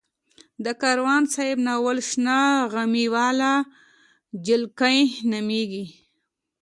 د کاروان صاحب ناول شنه غمي واله جلکۍ نومېږي.